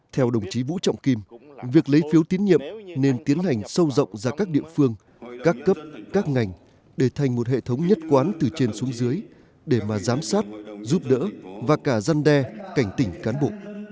theo đồng chí vũ trọng kim việc lấy phiếu tín nhiệm nên tiến hành sâu rộng ra các địa phương các cấp các ngành để thành một hệ thống nhất quán từ trên xuống dưới để mà giám sát giúp đỡ và cả dân đe cảnh tỉnh cán bộ